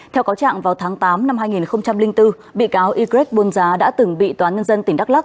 theo cáo trạng vào tháng tám năm hai nghìn bốn bị cáo y greg buôn giá đã từng bị tòa nhân dân tỉnh đắk lắc